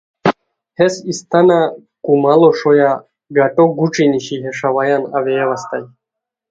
ہیس اِستانہ کوماڑو ݰویا گَٹو گوݯی نیشی ہے ݰاوایان اوئیاؤ استائے